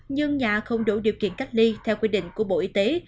nhưng nhà không đủ điều kiện cách ly theo quy định của bộ y tế